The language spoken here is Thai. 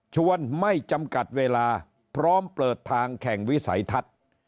ชวนไม่จำกัดเวลาพร้อมเปิดทางแข่งวิสัยทัศน์